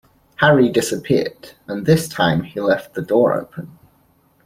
Harry disappeared; and this time he left the door open.